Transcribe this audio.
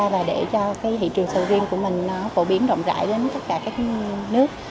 và để cho thị trường sầu riêng của mình phổ biến rộng rãi đến tất cả các nước